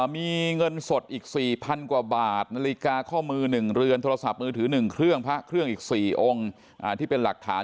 มีเงินสดอีก๔๐๐๐กว่าบาท